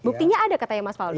buktinya ada katanya mas faldo